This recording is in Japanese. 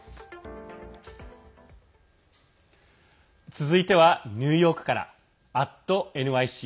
続いては、ニューヨークから「＠ｎｙｃ」。